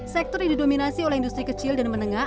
sektor yang didominasi oleh industri kecil dan menengah